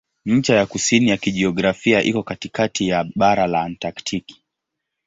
Ncha ya kusini ya kijiografia iko katikati ya bara la Antaktiki.